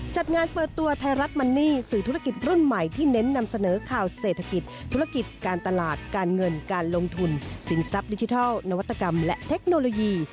จัดงานเปิดตัวไทยรัฐมันนี่สื่อธุรกิจรุ่นใหม่ที่เน้นนำเสนอข่าวเศรษฐกิจธุรกิจการตลาดการเงินการลงทุนสินทรัพย์ดิจิทัลนวัตกรรมและเทคโนโลยี